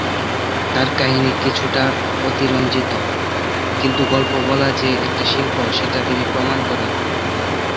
তাঁর কাহিনী কিছুটা অতিরঞ্জিত, কিন্তু গল্প বলা যে একটা শিল্প সেটা তিনি প্রমাণ করেন।